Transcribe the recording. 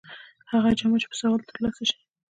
هغه جامه چې په سوال تر لاسه شي.